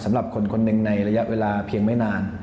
สำหรับคนคนหนึ่งในระยะเวลาเพียงไม่นาน